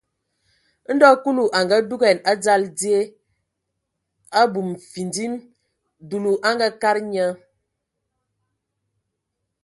Ndo Kulu a ngadugan a dzal die, abum findim, dulu a kadag nye.